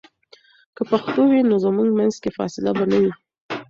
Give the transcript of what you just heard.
که پښتو وي، نو زموږ منځ کې فاصله به نه وي.